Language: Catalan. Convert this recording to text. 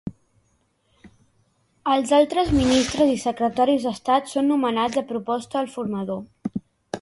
Els altres ministres i secretaris d'Estat són nomenats a proposta del formador.